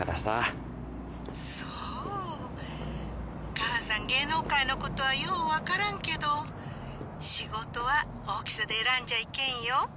母さん芸能界のことはよう分からんけど仕事は大きさで選んじゃいけんよ。